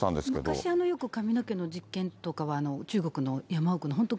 昔よく髪の毛の実験とかは、中国の山奥の、本当